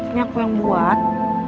ini aku yang buat